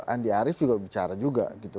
andi arief juga bicara juga gitu